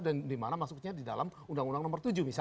dan dimana masuknya di dalam undang undang nomor tujuh